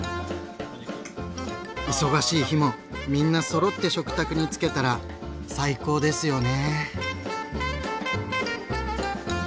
忙しい日もみんなそろって食卓につけたら最高ですよね。